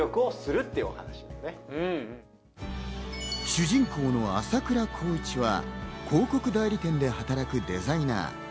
主人公の朝倉光一は広告代理店で働くデザイナー。